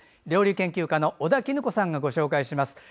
料理研究家の尾田衣子さんがご紹介します。